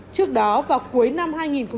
trước đó vào cuối năm hai nghìn một mươi chín